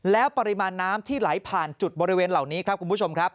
แล้วปริมาณน้ำที่ไหลผ่านจุดบริเวณเหล่านี้ครับคุณผู้ชมครับ